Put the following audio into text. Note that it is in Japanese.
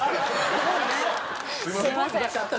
すいません。